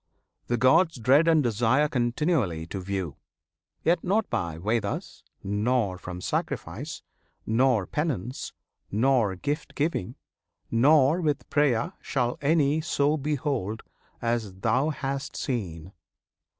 The gods Dread and desire continually to view! Yet not by Vedas, nor from sacrifice, Nor penance, nor gift giving, nor with prayer Shall any so behold, as thou hast seen!